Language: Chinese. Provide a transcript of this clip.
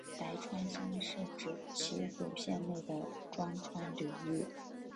白川乡是指岐阜县内的庄川流域。